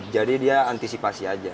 jadi dia antisipasi aja